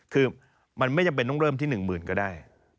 คือมันไม่จำเป็นต้องเริ่มที่๑๐๐๐ก็ได้